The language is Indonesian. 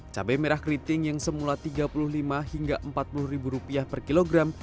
cabai merah keriting yang semula tiga puluh lima hingga rp empat puluh per kilogram